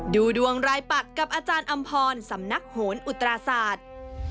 ดูดวงรายปักกับอาจารย์อำพรสำนักโหนอุตราศาสตร์